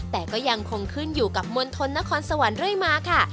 แต่ก็ยังคงขึ้นอยู่กับมณฑลนครสวรรค์เรื่อยมาค่ะ